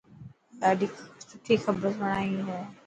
ڏاڌي سٺي کبر سڻائي هي.